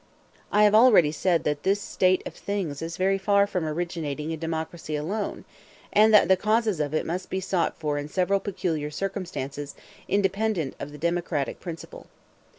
I have already said that this state of things is very far from originating in democracy alone, and that the causes of it must be sought for in several peculiar circumstances independent of the democratic principle.